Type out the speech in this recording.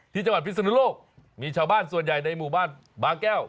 ที่จังหวัดพิศนุโลกมีชาวบ้านส่วนใหญ่ในหมู่บ้านบางแก้ว